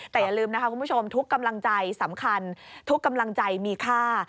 แต่อย่าลืมทุกกำลังใจสำคัญทุกกำลังใจมีค่า